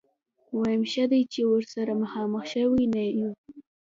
ويم ښه دی چې ورسره مخامخ شوي نه يو.